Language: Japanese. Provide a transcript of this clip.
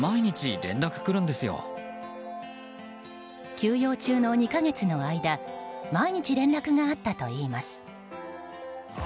休養中の２か月の間毎日、連絡があったといいます。